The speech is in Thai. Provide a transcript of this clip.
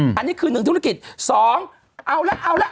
อันนี้คือทำเหตุบินหนึ่งธุรกิจสองเอาล่ะเอาล่ะ